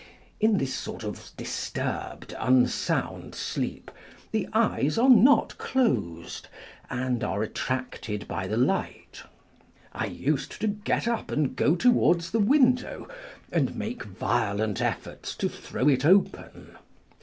In this sort of disturbed, unsound sleep, the eyes are not closed, and are attracted by the light. I used to get up and go towards the window, and make violent efforts to throw it open.